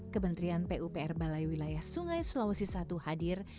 kebentrian pupr balai wilayah sungai sulawesi i hadir